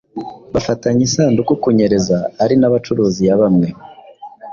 bafatanya isanduku kunyereza ari n’abacuruzi ya bamwe